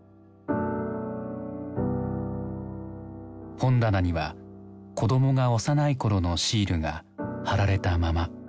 本棚には子どもが幼い頃のシールが貼られたまま。